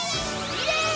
イエーイ！